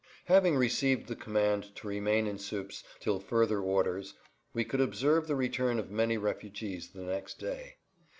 Having received the command to remain in Suippes till further orders we could observe the return of many refugees the next day.